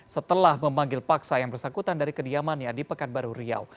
setelah memanggil paksa yang bersangkutan dari kediamannya di pekanbaru riau